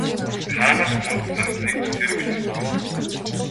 Хаанаас мөнгө гарсныг ч тэр мэдэхгүй!